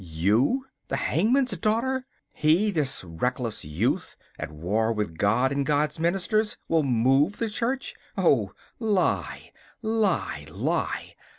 you, the hangman's daughter? He, this reckless youth, at war with God and God's ministers, will move the Church! Oh, lie, lie, lie!